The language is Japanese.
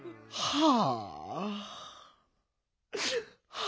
はあ